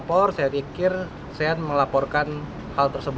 untuk mencari keadilan kita harus mengambil keterangan yang terbaik